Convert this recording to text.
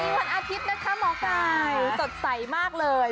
สวัสดีค่ะหมอกไก่สัดใสมากเลย